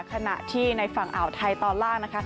ขนาดที่ในฝั่งอ่าวไทยตอนล่าง